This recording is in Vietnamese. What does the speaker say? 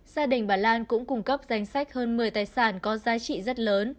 gia đình bà lan cũng cung cấp danh sách hơn một mươi tài sản có giá trị rất lớn